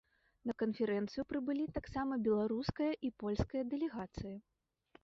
На канферэнцыю прыбылі таксама беларуская і польская дэлегацыі.